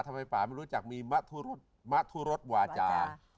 ทำไมป่าไม่รู้จักมีมะธุรสมะธุรสวาจา